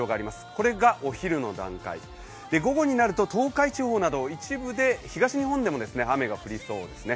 これがお昼の段階、午後になると東海地方など、一部で東日本でも雨が降りそうですね。